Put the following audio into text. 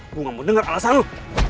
gue gak mau dengar alasan lo